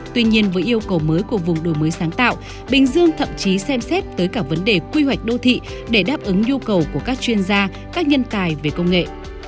tuy nhiên với yêu cầu mới của vùng đổi mới sáng tạo bình dương thậm chí xem xét tới cả vấn đề quy hoạch đô thị để đáp ứng nhu cầu của các chuyên gia các nhân tài về công nghệ